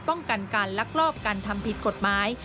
ป้องกันการลักลอบการทำผิดกฎหมาย